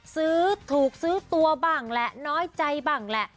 ซื้อถูกซื้อตัวบ้างแหละน้อยใจบ้างแหละ